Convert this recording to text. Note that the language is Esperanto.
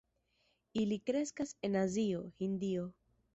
Ili kreskas en Azio, Hindio.